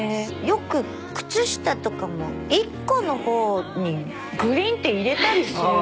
よく靴下とかも１個のほうにグリンって入れたりする。